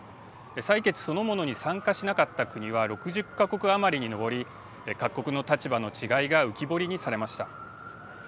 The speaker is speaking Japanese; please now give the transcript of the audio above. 採決そのものに参加しなかった国は６０か国余りに上り各国の立場の違いが浮き彫りにされました。